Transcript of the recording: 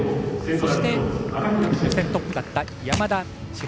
そして、予選トップだった山田千遥。